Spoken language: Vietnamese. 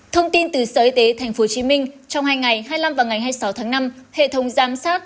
thông tin từ sở y tế tp hcm trong hai ngày hai mươi năm và ngày hai mươi sáu tháng năm hệ thống giám sát